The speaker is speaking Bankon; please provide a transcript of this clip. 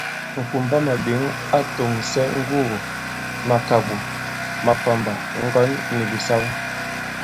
Ŋ̀kumbamàɓěŋ a tòŋsɛ ŋgugù, màkàɓò, makwàmbà, ŋgɔ̌n nì bìsawa.